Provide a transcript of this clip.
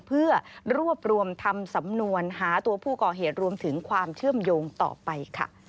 เพื่อรวบรวมทำสำนวนหาตัวผู้ก่อเหตุรวมถึงความเชื่อมโยงต่อไปค่ะ